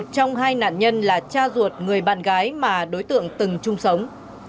trong hai nạn nhân là cha ruột người bạn gái mà đối tượng từng chung sống